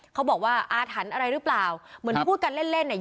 เขาบอกว่าอาถรรพ์อะไรหรือเปล่าเหมือนพูดกันเล่นเล่นเนี่ย